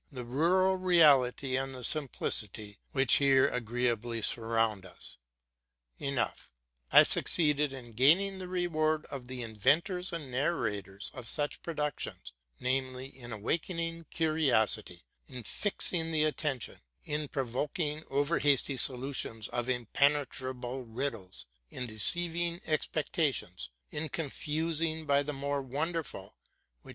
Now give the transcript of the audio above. the rural quality and simplicity which here agreeably surround us. In short, I succeeded im gaining the reward of the inventors and narrators of such productions ; nanely, in awakening curiosity, in fixing the attention, in prov oking over hasty solutions of impenetrable riddles, in deceiving expectations, in confusing by the more wonderful heh 1 This is introduced in Wilhelm Meister's Wanderjahre.